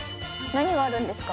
何があるんですか？